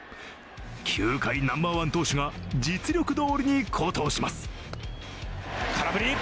球界ナンバーワン投手が実力どおりに好投します。